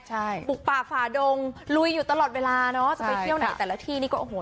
ใช่ปลุกป่าฝ่าดงลุยอยู่ตลอดเวลาเนอะจะไปเที่ยวไหนแต่ละที่นี่ก็โอ้โห